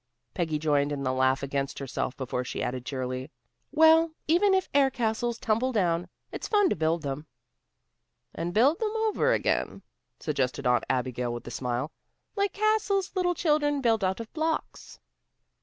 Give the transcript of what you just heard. Peggy joined in the laugh against herself before she added cheerily: "Well, even if air castles tumble down, it's fun to build them." "And to build them over again," suggested Aunt Abigail with a smile. "Like castles little children build out of blocks."